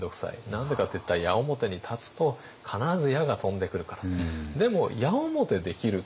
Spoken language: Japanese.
何でかっていったら矢面に立つと必ず矢が飛んでくるから。